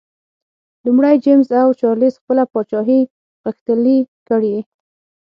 لومړی جېمز او چارلېز خپله پاچاهي غښتلي کړي.